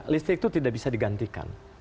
listrik itu tidak bisa digantikan